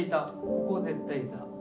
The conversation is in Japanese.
ここは絶対いた。